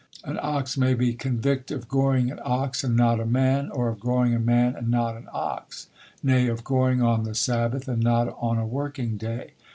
An ox may be convict of goring an ox and not a man, or of goring a man and not an ox: nay; of goring on the sabbath, and not on a working day.